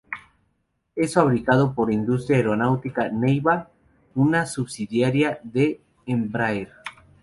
Es fabricado por Industria Aeronáutica Neiva, una subsidiaria de Embraer.